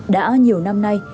đã nhiều năm nay